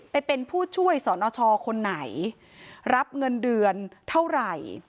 ไปเป็นผู้ช่วยสนชคนไหนรับเงินเดือนเท่าไหร่